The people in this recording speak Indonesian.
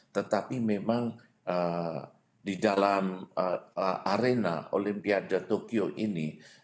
tetapi memang di dalam arena olimpiade tokyo ini